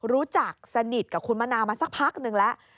รู้จักสนิทกับคุณมะนาวมาสักพักนึงแล้ว